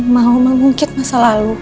mau mengungkit masa lalu